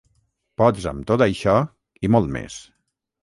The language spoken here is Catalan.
Pots amb tot això i molt més.